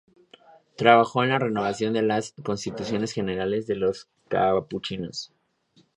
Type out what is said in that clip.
Trabajó en la renovación de las Constituciones Generales de los capuchinos.